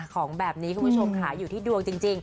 ของแบบนี้คุณผู้ชมค่ะอยู่ที่ดวงจริง